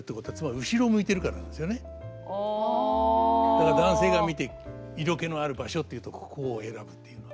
だから男性が見て色気のある場所っていうとここを選ぶっていうのは。